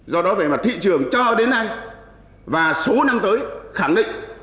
do đó về mặt thị trường cho đến nay và số năm tới khẳng định